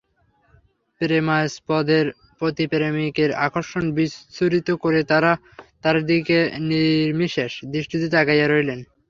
প্রেমাস্পদের প্রতি প্রেমিকের আকর্ষণ বিচ্ছুরিত করে তারা তাঁর দিকে নির্নিমেষ দৃষ্টিতে তাকিয়ে রইলেন।